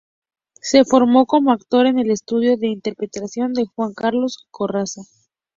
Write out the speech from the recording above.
Se formó como actor en el Estudio de Interpretación de Juan Carlos Corazza.